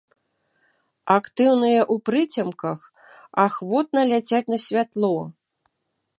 Актыўныя ў прыцемках, ахвотна ляцяць на святло.